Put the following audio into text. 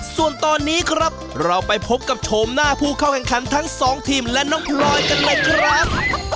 ส่วนตอนนี้ครับเราไปพบกับโฉมหน้าผู้เข้าแข่งขันทั้งสองทีมและน้องพลอยกันหน่อยครับ